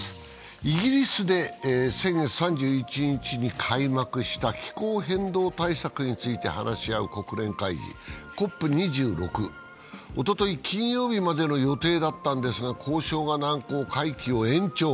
イギリスで先月３１日に開幕した気候変動対策について話し合う国連会議、ＣＯＰ２６、おととい金曜日までの予定だったんですが、交渉が難航、会期を延長。